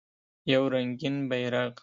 یو رنګین بیرغ